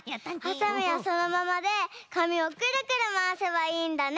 はさみはそのままでかみをくるくるまわせばいいんだね！